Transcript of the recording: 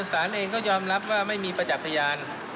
ภารกิจสารเองก็ยอมรับว่าไม่มีประจับพยาน